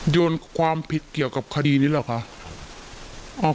โยนความผิดเกี่ยวกับคดีนี้เหรอคะ